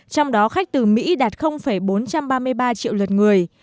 trong đó khách từ mỹ đạt bốn trăm ba mươi ba triệu lượt người